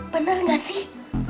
bener gak sih